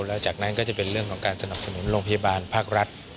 แล้วจากนั้นก็จะเป็นเรื่องของการสนับสนุนโรงพยาบาลภาครัฐ